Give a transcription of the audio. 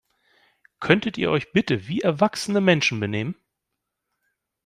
Könntet ihr euch bitte wie erwachsene Menschen benehmen?